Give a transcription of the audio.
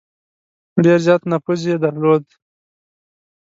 ډېر زیات نفوذ یې درلود.